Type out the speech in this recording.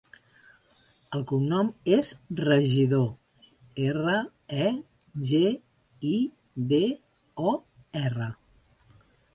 El cognom és Regidor: erra, e, ge, i, de, o, erra.